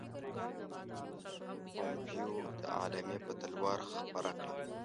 پومپیو دا اعلامیه په تلوار خپره کړه.